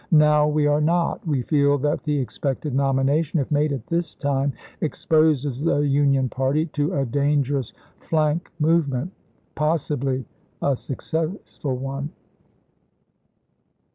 Now we are not. We feel that the expected nomination, if made at this time, « New York exposes the Union party to a dangerous ' flank June e, 1864. movement'— possibly a successful one."